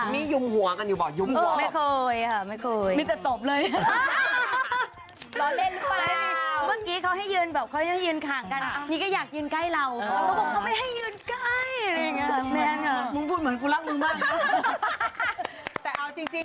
แล้วเวลาเฉียงกันแล้วดีกันยังไง